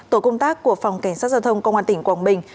tổ công tác của phòng cảnh sát giao thông công an tỉnh quảng bình